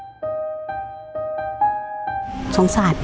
ชื่อนางวุญสงศ์อายุ๕๒ปี